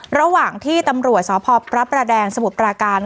ระหว่างที่ตำรวจสพพระประแดงสมุทรปราการ